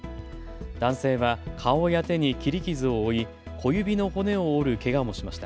男性は顔や手に切り傷を負い小指の骨を折るけがもしました。